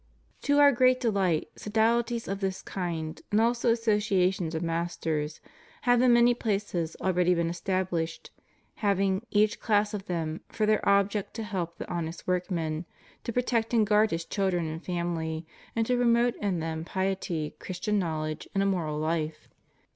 To Our great deUght, sodahties of this kind and also associations of masters, have in many places already been estabhshed, having, each class of them, for their object to help the honest workman, to protect and guard his children and family, and to pro mote in them piety. Christian knowledge, and a moral life.